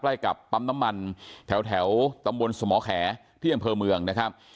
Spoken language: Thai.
ใกล้กับปั๊มน้ำมันแถวตำบลสมแขที่อำเภอเมืองนะครับ